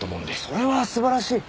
それは素晴らしい。